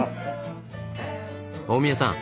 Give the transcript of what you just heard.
大宮さん